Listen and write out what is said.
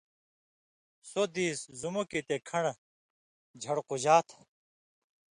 سو دېس، زُمُک یی تے کھن٘ڑہۡ جھڑقُژا تھہ